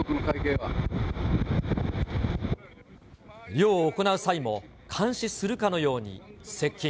漁を行う際も、監視するかのように接近。